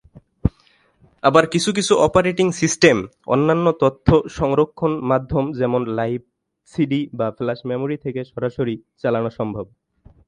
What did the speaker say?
আবার কিছু কিছু অপারেটিং সিস্টেম অন্যান্য তথ্য সংরক্ষণ মাধ্যম যেমন লাইভ সিডি বা ফ্ল্যাশ মেমরি থেকে সরাসরি চালানো সম্ভব।